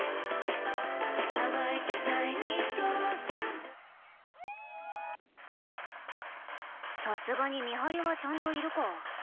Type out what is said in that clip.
さすがに見張りはちゃんといるか。